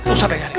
ustaz yang nyari